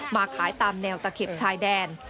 มาขายตามแนวตะเข็บชายแดน